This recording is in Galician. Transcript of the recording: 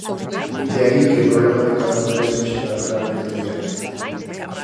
De aí que o problema de cada un deles sexa radicalmente diferente.